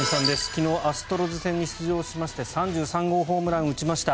昨日アストロズ戦に出場しまして３３号ホームランを打ちました。